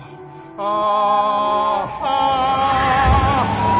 ああ！